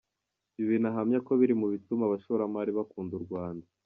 Ibintu ahamya ko biri mu bituma abashoramari bakunda u Rwanda.